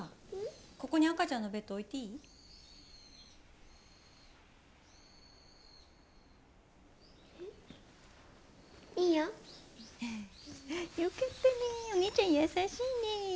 ここに赤ちゃんのベッド置いていい？いいよ。よかったねお姉ちゃん優しいね。